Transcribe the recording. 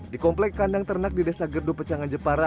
di komplek kandang ternak di desa gerdupencangan jepara